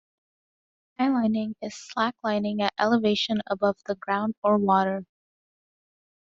Highlining is slacklining at elevation above the ground or water.